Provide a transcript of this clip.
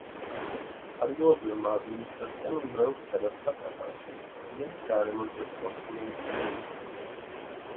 ადგილობრივმა ადმინისტრაციამ მრევლს გადასცა პატარა შენობა, რომელიც გაარემონტეს მორწმუნეების ფინანსებით.